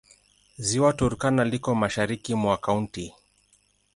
Ziwa Turkana liko mashariki mwa kaunti.